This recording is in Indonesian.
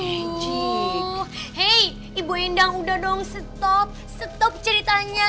hei ibu endang udah dong stop stop ceritanya